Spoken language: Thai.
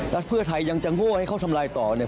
แล้วเพื่อไทยยังจะโง่ให้เขาทำลายต่อเนี่ย